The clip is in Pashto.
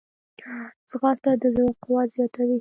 ځغاسته د زړه قوت زیاتوي